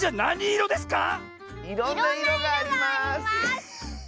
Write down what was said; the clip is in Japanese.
いろんないろがあります！